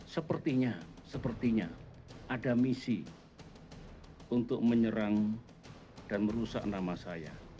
sepertinya sepertinya ada misi untuk menyerang dan merusak nama saya